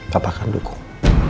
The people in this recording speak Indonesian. papa akan dukung